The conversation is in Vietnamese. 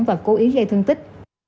và cố ý gây thương tích